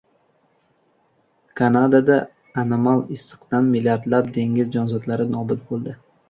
Kanadada anomal issiqdan milliardlab dengiz jonzotlari nobud bo‘ldi